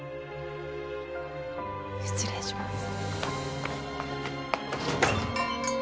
失礼します。